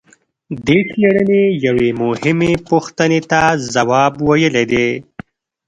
دې څېړنې یوې مهمې پوښتنې ته ځواب ویلی دی.